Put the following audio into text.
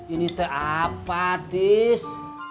ini teh apa tis